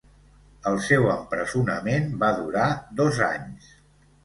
El seu empresonament va durar dos anys.